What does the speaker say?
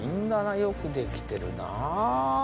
よくできてるな。